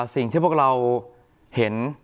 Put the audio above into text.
สิ่งที่พวกเราเห็น